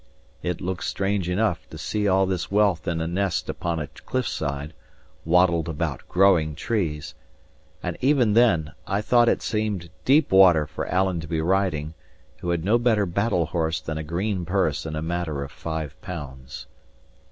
It looked strange enough, to see all this wealth in a nest upon a cliff side, wattled about growing trees. And even then, I thought it seemed deep water for Alan to be riding, who had no better battle horse than a green purse and a matter of five pounds.